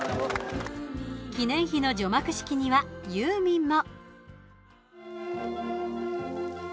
記念碑の除幕式にはユーミンも。